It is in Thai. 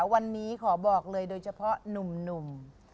วันนี้ขอบอกเลยโดยเฉพาะหนุ่ม